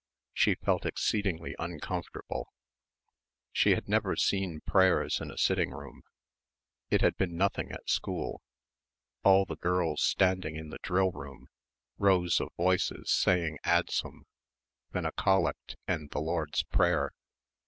She felt exceedingly uncomfortable. She had never seen prayers in a sitting room. It had been nothing at school all the girls standing in the drill room, rows of voices saying "adsum," then a Collect and the Lord's Prayer.